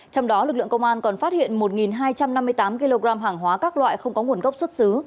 trong đó lực lượng công an còn phát hiện một hai trăm năm mươi tám kg hàng hóa các loại không có nguồn gốc xuất xứ